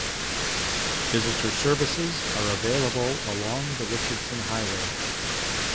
Visitor services are available along the Richardson Highway.